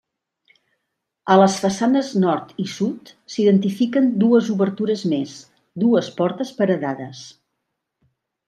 A les façanes nord i sud s'identifiquen dues obertures més, dues portes paredades.